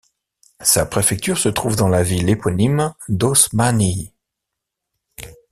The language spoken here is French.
Sa préfecture se trouve dans la ville éponyme d’Osmaniye.